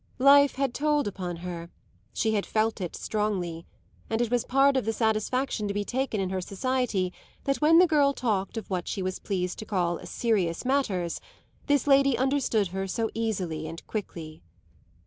Life had told upon her; she had felt it strongly, and it was part of the satisfaction to be taken in her society that when the girl talked of what she was pleased to call serious matters this lady understood her so easily and quickly.